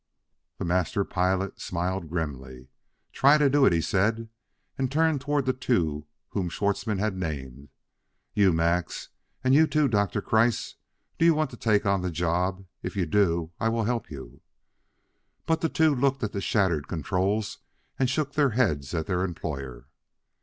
The Master Pilot smiled grimly. "Try to do it," he said, and turned toward the two whom Schwartzmann had named. "You, Max, and you, too, Doctor Kreiss do you want to take on the job? If you do, I will help you." But the two looked at the shattered controls and shook their heads at their employer.